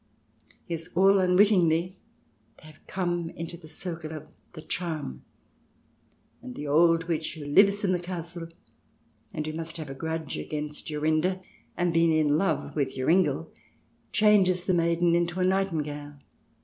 Yes, all unwittingly 64 THE DESIRABLE ALIEN [ch. v they have come into the circle of the charm, and the old witch who lives in the castle, and who must have had a grudge against Jorinde and been in love with Joringel, changes the maiden into a nightingale.